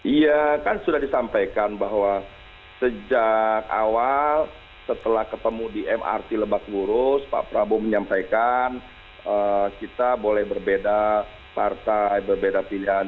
iya kan sudah disampaikan bahwa sejak awal setelah ketemu di mrt lebak wurus pak prabowo menyampaikan kita boleh berbeda partai berbeda pilihan